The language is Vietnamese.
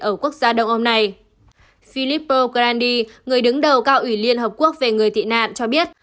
ở quốc gia đông âu này philippo grandhi người đứng đầu cao ủy liên hợp quốc về người tị nạn cho biết